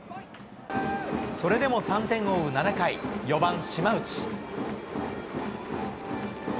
それでも３点を追う７回、４番島内。